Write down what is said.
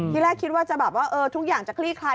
แรกคิดว่าจะแบบว่าทุกอย่างจะคลี่คลาย